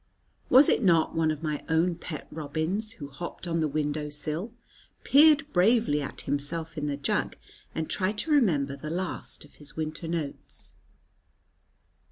Was it not one of my own pet robins, who hopped on the window sill, peered bravely at himself in the jug, and tried to remember the last of his winter notes?